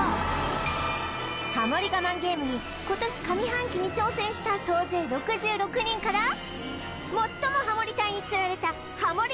我慢大賞に今年上半期に挑戦した総勢６６人から最もハモリ隊につられたハモリ